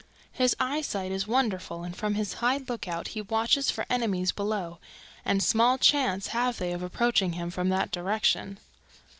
His eyesight is wonderful and from his high lookout he watches for enemies below, and small chance have they of approaching him from that direction.